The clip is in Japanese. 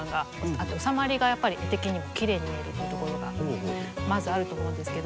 あと収まりがやっぱり絵的にもきれいに見えるっていうところがまずあると思うんですけど。